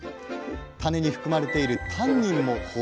種に含まれているタンニンも豊富。